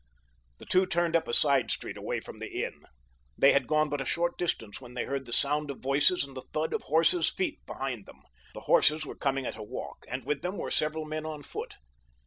The two turned up a side street away from the inn. They had gone but a short distance when they heard the sound of voices and the thud of horses' feet behind them. The horses were coming at a walk and with them were several men on foot.